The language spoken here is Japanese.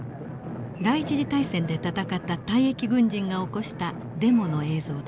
第一次大戦で戦った退役軍人が起こしたデモの映像です。